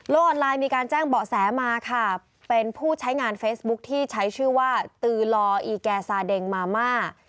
ออนไลน์มีการแจ้งเบาะแสมาค่ะเป็นผู้ใช้งานเฟซบุ๊คที่ใช้ชื่อว่าตือลออีแกซาเด็งมาม่า